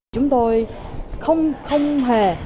chúng tôi không hề có